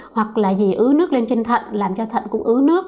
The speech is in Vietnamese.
hoặc là gì ứ nước lên trên thận làm cho thận cũng ứ nước